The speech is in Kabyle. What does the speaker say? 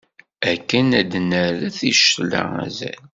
Akken ad d-nerret i ccetla azal.